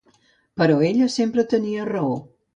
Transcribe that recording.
Però ella sempre tenia raó.